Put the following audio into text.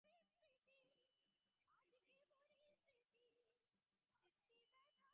আমারও বিশ্বাস, দেশের মাটির টি-টোয়েন্টি বিশ্বকাপ থেকে ভালো কিছুই পাব আমরা।